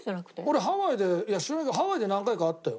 俺ハワイでいや知らないけどハワイで何回か会ったよ。